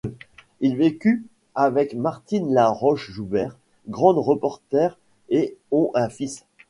Il vécut avec Martine Laroche-Joubert, grande reporter et ont un fils.